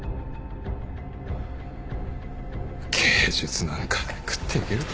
芸術なんかで食っていけるか。